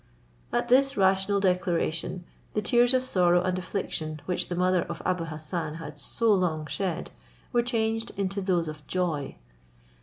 At this rational declaration, the tears of sorrow and affliction which the mother of Abou Hassan had so long shed were changed into those of joy.